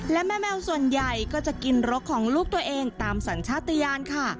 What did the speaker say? และแม่แมวส่วนใหญ่ก็จะกินรกของลูกตัวเองตามสัญชาติยานค่ะ